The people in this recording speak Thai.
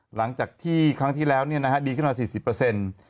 หลังจากที่ครั้งที่แล้วดีขนาด๔๐